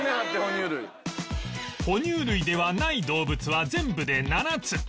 哺乳類ではない動物は全部で７つ